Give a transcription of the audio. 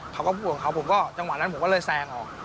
เขาก็พูดของเขาผมก็จังหวะนั้นผมก็เลยแซงออก